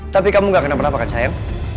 tapi kamu gak kena berapa kan sayang